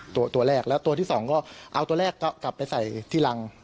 ตัวตัวแรกแล้วตัวที่สองก็เอาตัวแรกกลับไปใส่ที่รัง